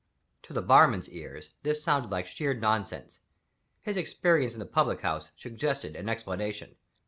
To the barman's ears, this sounded like sheer nonsense. His experience in the public house suggested an explanation.